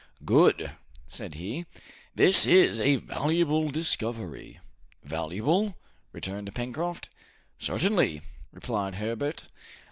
"Good," said he; "this is a valuable discovery." "Valuable?" returned Pencroft. "Certainly," replied Herbert.